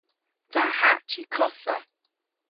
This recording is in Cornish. Dha hatt yw kottha.